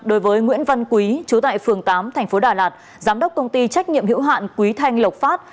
đối với nguyễn văn quý chú tại phường tám thành phố đà lạt giám đốc công ty trách nhiệm hữu hạn quý thanh lộc phát